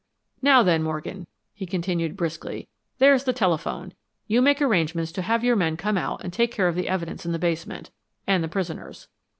'" "Now then, Morgan," he continued, briskly, "there's the telephone. You make arrangements to have your men come out and take care of the evidence in the basement, and the prisoners.